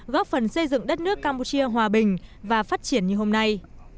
góp phần xây dựng đất nước campuchia hòa bình và phát triển như hôm nay